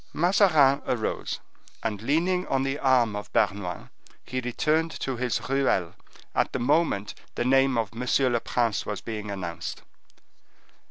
Mazarin arose, and leaning on the arm of Bernouin, he returned to his ruelle at the moment the name of M. le Prince was being announced.